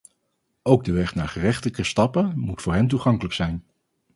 Ook de weg naar gerechtelijke stappen moet voor hen toegankelijk zijn.